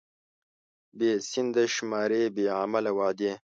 بې سنده شمارې، بې عمله وعدې.